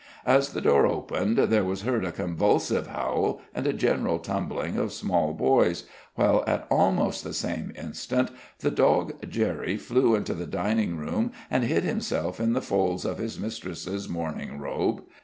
As the door opened, there was heard a convulsive howl, and a general tumbling of small boys, while at almost the same instant the dog Jerry flew into the dining room and hid himself in the folds of his mistress's morning robe.